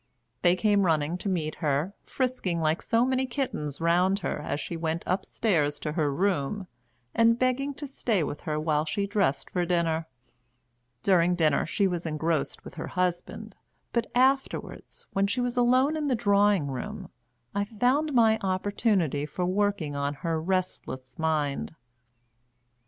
They came running to meet her, frisking like so many kittens round her as she went upstairs to her room, and begging to stay with her while she dressed for dinner. During dinner she was engrossed with her husband; but afterwards, when she was alone in the drawing room, I found my opportunity for working on her restless mind.